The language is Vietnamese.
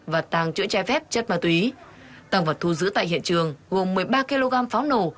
và tăng chữa chai phép chất ma túy tăng vật thu giữ tại hiện trường gồm một mươi ba kg pháo nổ